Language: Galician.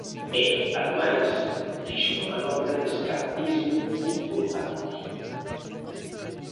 E, ademais, fixo unha manobra de escapismo importante.